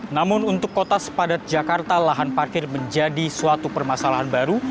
namun untuk kota sepadat jakarta lahan parkir menjadi suatu permasalahan baru